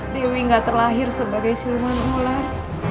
dewi gak terlahir sebagai silman ular